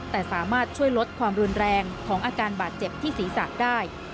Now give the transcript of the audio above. แต่สามารถช่วยลดความรุนแรงของอาการบาดเจ็บที่ศีรษะได้